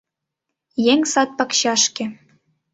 Еҥ сад-пакчашке